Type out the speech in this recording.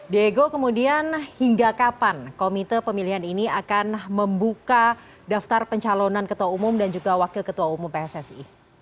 diego kemudian hingga kapan komite pemilihan ini akan membuka daftar pencalonan ketua umum dan juga wakil ketua umum pssi